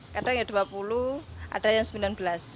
kadang rp dua puluh kadang rp sembilan belas